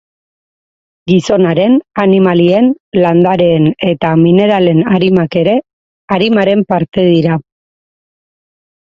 Gizonaren, animalien, landareen eta mineralen arimak ere arimaren parte dira.